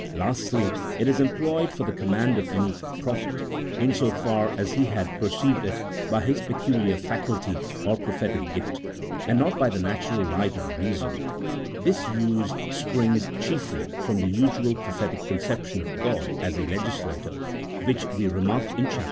Lastly, it is employed for the command of any prophet, in so far as he had perceived it by his peculiar faculty or prophetic gift, and not by the natural light of reason ; this use springs chiefly from the usual prophetic conception of God as a legislator, which we remarked in Chap.